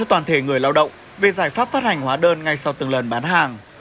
công ty đã tích cực nâng người lao động về giải pháp phát hành hóa đơn ngay sau từng lần bán hàng